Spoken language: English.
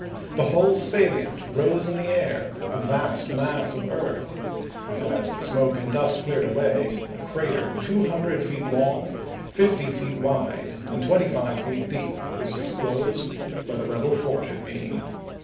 The whole salient rose in the air, a vast mass of earth; and as the smoke and dust cleared away a crater 200 feet long, 50 feet wide, and 25 feet deep was dis closed where the rebel fort had been.